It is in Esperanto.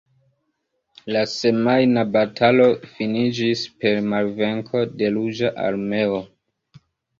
La semajna batalo finiĝis per malvenko de Ruĝa Armeo.